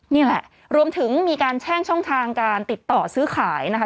นี่แหละรวมถึงมีการแช่งช่องทางการติดต่อซื้อขายนะคะ